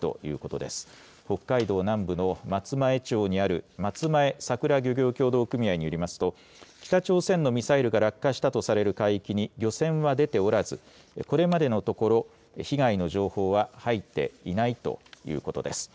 夫北海道南部の松前町にある松前さくら漁業協同組合によりますと北朝鮮のミサイルが落下したとされる海域に漁船は出ておらず、これまでのところ被害の情報は入っていないということです。